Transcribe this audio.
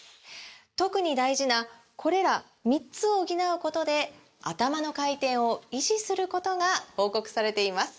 特に大事なこれら３つを補うことでアタマの回転を維持することが報告されています